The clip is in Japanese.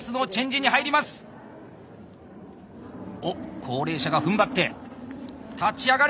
おっ高齢者がふんばって立ち上がる！